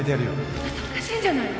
あなたおかしいんじゃないの！？